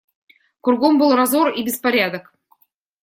Кругом был разор и беспорядок.